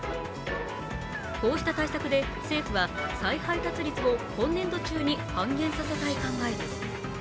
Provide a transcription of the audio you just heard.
こうした対策で政府は、再配達率を今年度中に半減させたい考えです。